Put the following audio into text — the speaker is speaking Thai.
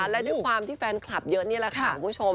และด้วยความที่แฟนคลับเยอะนี่แหละค่ะคุณผู้ชม